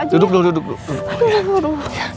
duduk dulu duduk dulu